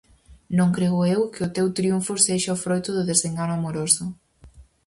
Non creo eu que o teu triunfo sexa o froito do desengano amoroso.